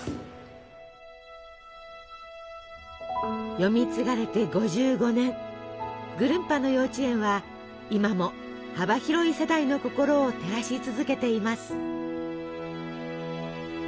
読み継がれて５５年「ぐるんぱのようちえん」は今も幅広い世代の心を照らし続けています。